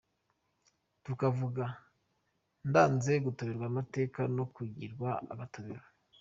Tukavuga “ndanze gutoberwa amateka no kugirwa agatobero”.